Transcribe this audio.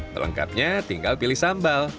pelengkapnya tinggal pilih sambal